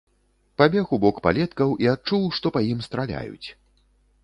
Пабег у бок палеткаў і адчуў, што па ім страляюць.